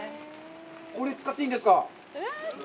これ、使っていいんですか？